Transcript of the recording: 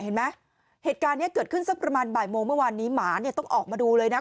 เห็นไหมเทศกาลเกิดขึ้นที่ประมาณบ่อยโมงเมื่อวันนี้หมาต้องออกมาดูเลยนะ